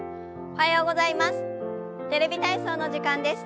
おはようございます。